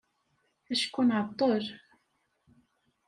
Acku nɛeṭṭel.